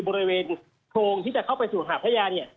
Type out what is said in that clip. บริเวณโพรงที่จะเข้าไปสู่หาพระยาเนี่ย